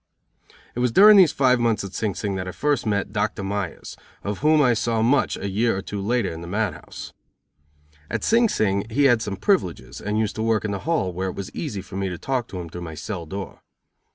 It was during these five months at Sing Sing that I first met Dr. Myers, of whom I saw much a year or two later in the mad house. At Sing Sing he had some privileges, and used to work in the hall, where it was easy for me to talk to him through my cell door.